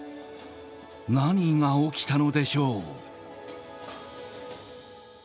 何が起きたのでしょう？